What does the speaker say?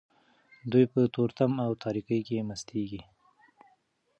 دوی په تورتم او تاریکۍ کې مستیږي.